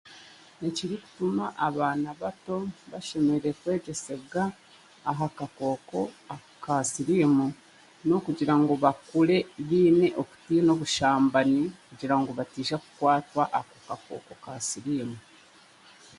Ekirikutuma abaana bato bashemereire kwegyesebwa aha kakooko ka siriimu n'okugira ngu bakure biine okutiina obushambani kugira ngu batiija kukwatwa akakooko ka siriimu.